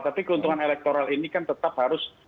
tapi keuntungan elektoral ini kan tetap harus